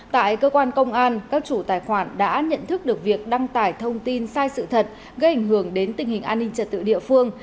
tại cơ quan công an các chủ tài khoản đã nhận thức được việc đăng tải thông tin sai sự thật gây ảnh hưởng đến tình hình an ninh trật tự địa phương